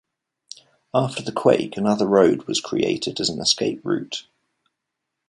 After the quake another road was created as an escape route.